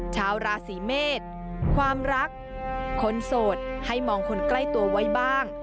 ชาวราศีเมษความรักคนโสดให้มองคนใกล้ตัวไว้บ้าง